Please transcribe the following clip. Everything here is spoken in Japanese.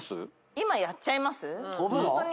「今やっちゃいます？」